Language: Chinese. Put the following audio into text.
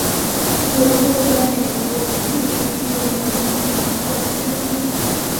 洛克在美国独立时期的影响力存在争议。